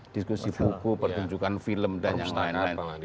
diskusi buku pertunjukan film dan lain lain